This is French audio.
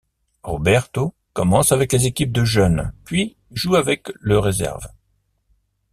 Roberto commence avec les équipes de jeunes, puis joue avec le réserve.